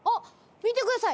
見てください。